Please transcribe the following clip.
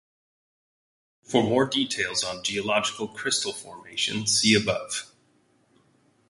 For more details on geological crystal formation, see above.